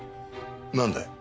なんだい？